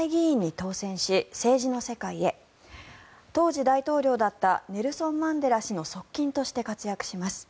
当時、大統領だったネルソン・マンデラ氏の側近として活躍します。